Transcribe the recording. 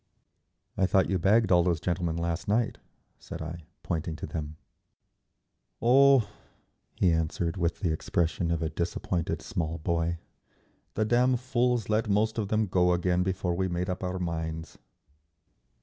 "I thought you bagged all those gentlemen last night," said I, pointing to them. "Oh," he answered, with the expression of a disappointed small boy. "The damn fools let most of them go again before we made up our minds…."